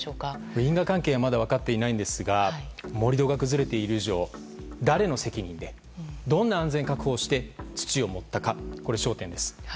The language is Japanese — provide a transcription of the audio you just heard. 因果関係はまだ分かっていませんが盛り土が崩れている以上誰の責任でどんな安全確保をして土を盛ったかが焦点です。